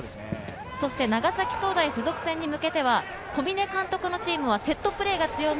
長崎総科大附属戦に向けては、小嶺監督のチームはセットプレーが強み。